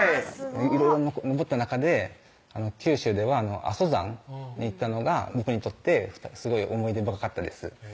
いろいろ登った中で九州では阿蘇山に行ったのが僕にとってすごい思い出深かったです